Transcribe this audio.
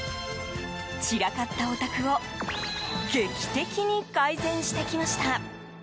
散らかったお宅を劇的に改善してきました。